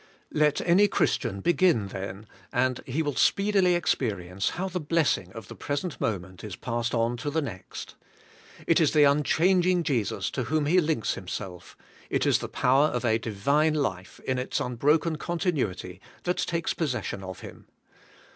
Let any Christian begin, then, and he will speedily experience how the blessing of the present moment is passed on to the next. It is the unchanging Jesus to whom he links himself; it is the power of a Divine life, in its unbroken continuity, that takes possession of him.